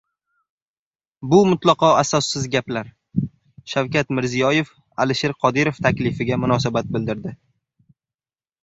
"Bu mutlaqo asossiz gaplar!" - Shavkat Mirziyoyev Alisher Qodirov taklifiga munosabat bildirdi